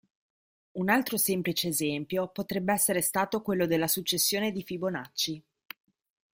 Un altro semplice esempio potrebbe essere stato quello della Successione di Fibonacci.